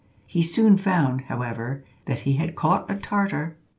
He soon found, however, that he had caught a Tartar.